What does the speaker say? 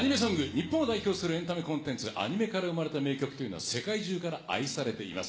日本を代表するエンタメコンテンツ、アニメから生まれた名曲というのは、世界中から愛されています。